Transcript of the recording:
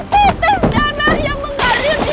demi petanda yang mengalir di airku